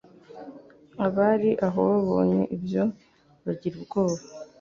Abari aho babonye ibyo bagira ubwoba.